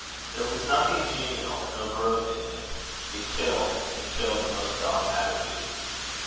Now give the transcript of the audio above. There was nothing genial, no growth in it. It killed, and killed most dogmatically.